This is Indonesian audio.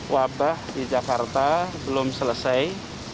wabah di jakarta belum selesai